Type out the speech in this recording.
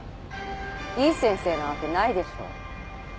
いい先生なわけないでしょ。